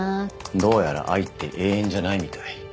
「どうやら愛って永遠じゃないみたい」